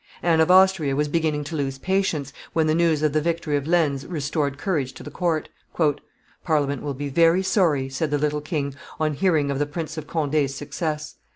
Anne of Austria was beginning to lose patience, when the news of the victory of Lens restored courage to the court. "Parliament will be very sorry," said the little king, on hearing of the Prince of Conde's success.